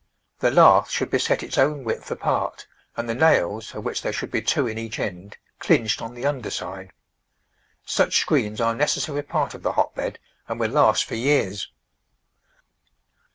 The lath should be set its own width apart, and the nails, of which there should be two in each end, clinched on the under side. Such screens are a necessary part of the hotbed, and will last for years.